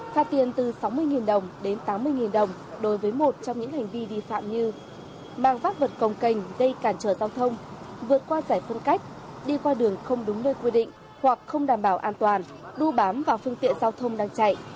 phạt tiền từ sáu mươi đồng đến tám mươi đồng đối với một trong những hành vi vi phạm như mang vác vậtg cành gây cản trở giao thông vượt qua giải phân cách đi qua đường không đúng nơi quy định hoặc không đảm bảo an toàn đu bám vào phương tiện giao thông đang chạy